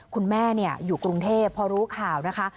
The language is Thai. คุณแม่อยู่กรุงเทพพอรู้ข่าวนะคะ